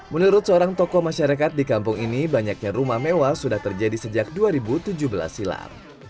menurut seorang tokoh masyarakat di kampung ini banyaknya rumah mewah sudah terjadi sejak dua ribu tujuh belas silam